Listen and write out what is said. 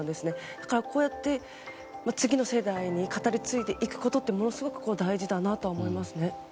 だから、こうやって次の世代に語り継いでいくことってものすごく大事だなとは思いますね。